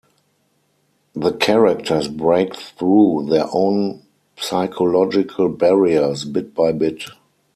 The characters break through their own psychological barriers bit by bit.